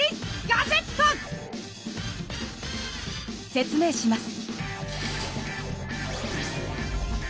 説明します。